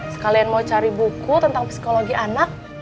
sekalian mau cari buku tentang psikologi anak